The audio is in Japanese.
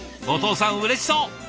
お父さんうれしそう。